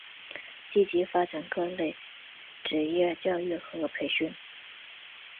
积极发展各类职业教育和培训。